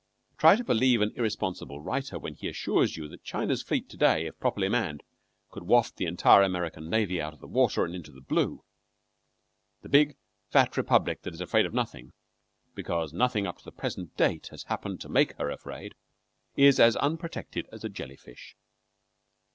Try to believe an irresponsible writer when he assures you that China's fleet to day, if properly manned, could waft the entire American navy out of the water and into the blue. The big, fat Republic that is afraid of nothing, because nothing up to the present date has happened to make her afraid, is as unprotected as a jelly fish.